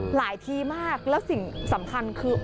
ทีมากแล้วสิ่งสำคัญคือ